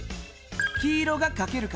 黄色がかける数。